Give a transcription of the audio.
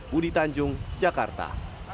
budi tanjung jakarta